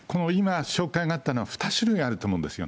この今、紹介があったのは２種類あると思うんですよね。